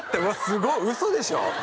すごっ嘘でしょ？